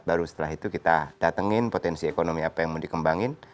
baru setelah itu kita datengin potensi ekonomi apa yang mau dikembangin